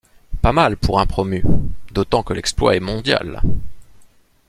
Pas mal pour un promu, d’autant que l’exploit est mondial.